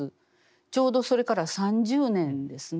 ちょうどそれから３０年ですね